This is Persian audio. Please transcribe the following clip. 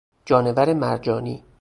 جانور مرجانی